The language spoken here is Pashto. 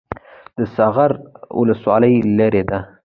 د ساغر ولسوالۍ لیرې ده